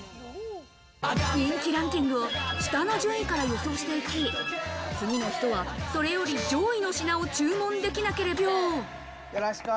人気ランキングを下の順位から予想していき、次の人はそれより上位の品を注文できなければ即終了。